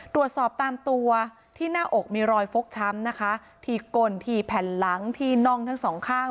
ตรวจสอบตามตัวที่หน้าอกมีรอยฟกช้ำนะคะที่กลที่แผ่นหลังที่น่องทั้งสองข้าง